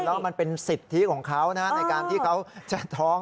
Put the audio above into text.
แล้วมันเป็นสิทธิของเขาในการที่เขาจะท้อง